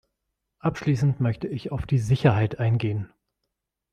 Abschließend möchte ich auf die Sicherheit eingehen.